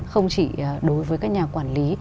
không chỉ đối với các nhà quản lý